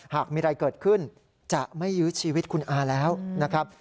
หากมีอะไรเกิดขึ้นจะไม่ยื้อชีวิตคุณอาแล้วนะครับ